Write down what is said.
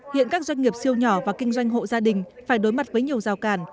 hiện các doanh nghiệp siêu nhỏ và kinh doanh hộ gia đình phải đối mặt với nhiều rào càn